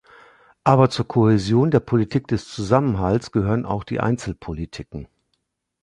Aber zur Kohäsion, zu der Politik des Zusammenhalts gehören auch die Einzelpolitiken.